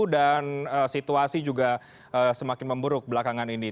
dan situasi juga semakin memburuk belakangan ini